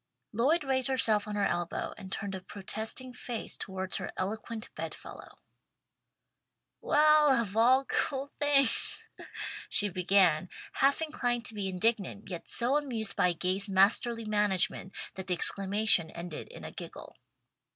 Lloyd raised herself on her elbow and turned a protesting face towards her eloquent bed fellow. "Well of all cool things," she began, half inclined to be indignant, yet so amused at Gay's masterly management that the exclamation ended in a giggle.